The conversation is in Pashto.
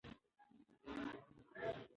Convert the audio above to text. کله کله یوازې شتون بس وي.